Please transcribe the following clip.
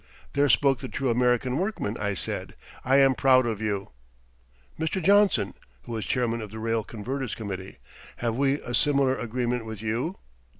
"There spoke the true American workman," I said. "I am proud of you." "Mr. Johnson" (who was chairman of the rail converters' committee), "have we a similar agreement with you?"